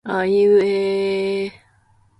あいうえええええええ